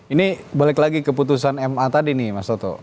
ini balik lagi keputusan ma tadi nih mas toto